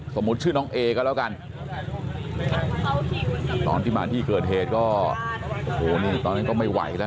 สมมุติชื่อน้องเอก็แล้วกันตอนที่มาที่เกิดเหตุก็ไม่ไหวแล้ว